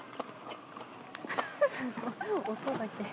「すごい音だけ」